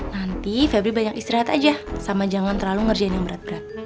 nanti febri banyak istirahat aja sama jangan terlalu ngerjain yang berat berat